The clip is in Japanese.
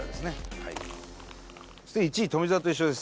はいそして１位富澤と一緒です